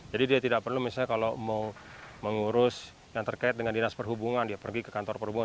jadi dia tidak perlu misalnya kalau mau mengurus yang terkait dengan dinas perhubungan dia pergi ke kantor perhubungan